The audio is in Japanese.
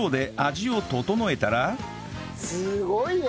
すごいね！